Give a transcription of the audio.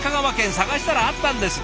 探したらあったんです。